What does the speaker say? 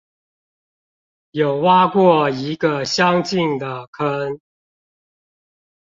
有挖過一個相近的坑